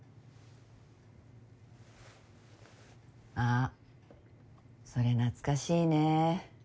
あそれ懐かしいねぇ。